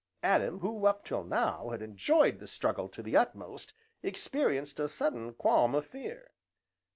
Adam who, up till now, had enjoyed the struggle to the utmost, experienced a sudden qualm of fear.